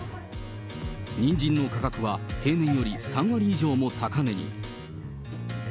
ニンジンの価格は、平年より３割以上も高値に。